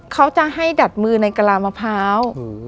เขาจะให้ดัดมือในกระลามะพร้าว